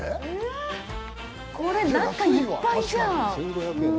これ、中、いっぱいじゃん！